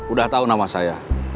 udah tau nama saya